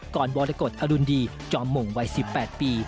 ก่อนวัลละกดอรุณดีจอมมงวัย๑๘ปี